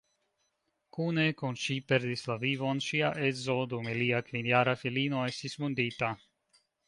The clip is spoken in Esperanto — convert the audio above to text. Kune kun ŝi perdis la vivon ŝia edzo dum ilia kvinjara filino estis vundita.